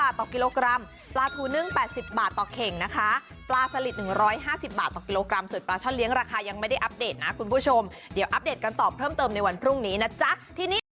ต่อกิโลกรัมปลาทูนึ่ง๘๐บาทต่อเข่งนะคะปลาสลิด๑๕๐บาทต่อกิโลกรัมส่วนปลาช่อนเลี้ยราคายังไม่ได้อัปเดตนะคุณผู้ชมเดี๋ยวอัปเดตกันต่อเพิ่มเติมในวันพรุ่งนี้นะจ๊ะทีนี้